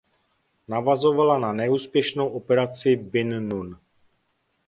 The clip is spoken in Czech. Navazovala na neúspěšnou Operaci Bin Nun.